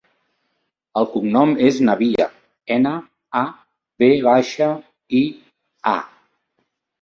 El cognom és Navia: ena, a, ve baixa, i, a.